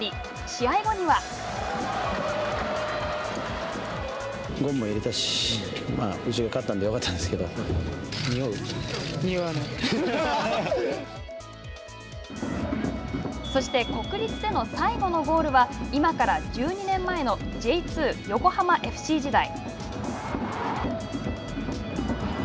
試合後にはそして、国立での最後のゴールは今から１２年前のＪ２横浜ＦＣ時代。